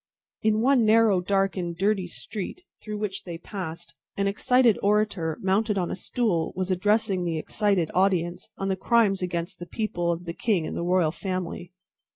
In one narrow, dark, and dirty street through which they passed, an excited orator, mounted on a stool, was addressing an excited audience on the crimes against the people, of the king and the royal family.